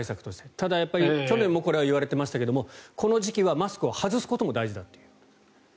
ただ、去年も言われましたがこの時期はマスクを外すことも大事だという。